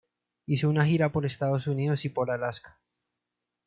Hizo una gira por Estados Unidos y por Alaska.